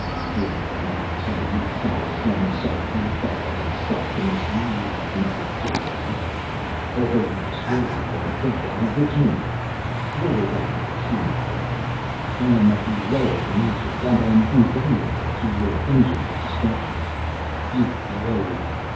"Did I not tell you, foul son of Sargouthe, that I had solved a mystery you have never guessed at? Although you destroyed me long ago, I have returned. Throw away your puny weapon. I am of the lower dimension and am invulnerable to your engines of destruction. You bloated...."